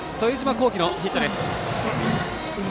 公のヒットです。